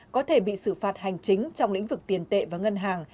có thể bị xử phạt hành chính trong lĩnh vực tiền tệ và ngân hàng